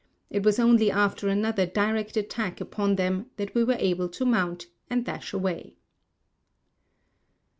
It was only after another direct attack upon them that we were able to mount, and dash away.